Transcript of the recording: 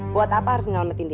buat apa harus menyelamatkan dia